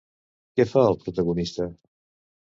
Què fa el protagonista?